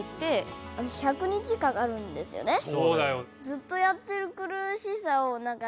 そうだよ。